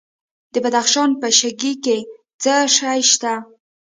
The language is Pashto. د بدخشان په شکی کې څه شی شته؟